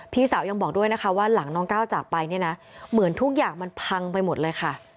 พี่สาวยังบอกด้วยนะคะว่าหลังน้องก้าวจากไปเนี่ยนะเหมือนทุกอย่างมันพังไปหมดเลยค่ะ